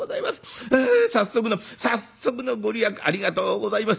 早速の早速の御利益ありがとうございます。